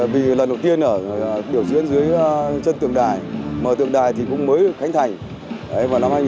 vì lần đầu tiên biểu diễn dưới chân tượng đài mà tượng đài thì cũng mới khánh thành vào năm hai nghìn hai mươi hai